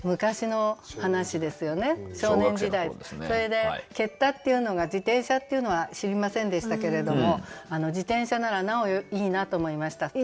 それでけったっていうのが自転車っていうのは知りませんでしたけれども自転車ならなおいいなと思いました。